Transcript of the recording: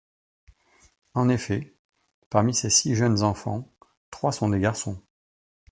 En effet, parmi ses six jeunes enfants, trois sont des garçons.